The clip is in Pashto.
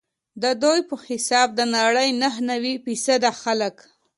ددوی په حساب د نړۍ نهه نوي فیصده خلک.